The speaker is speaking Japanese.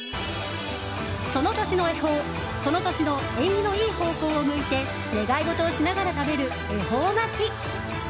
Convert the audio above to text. その年の恵方その年の縁起のいい方角を向いて願い事をしながら食べる恵方巻き。